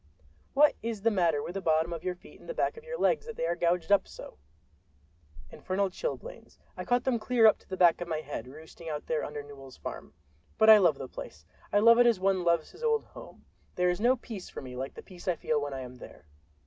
"What is the matter with the bottom of your feet and the back of your legs, that they are gouged up so?" "Infernal chilblains—I caught them clear up to the back of my head, roosting out there under Newell's farm. But I love the place; I love it as one loves his old home. There is no peace for me like the peace I feel when I am there."